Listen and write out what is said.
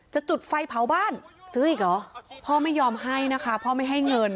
จุดไฟเผาบ้านซื้ออีกเหรอพ่อไม่ยอมให้นะคะพ่อไม่ให้เงิน